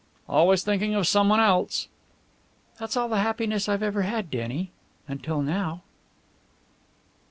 "Always thinking of someone else!" "That's all the happiness I've ever had, Denny until now!"